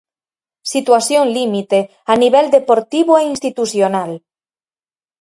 Situación límite a nivel deportivo e institucional.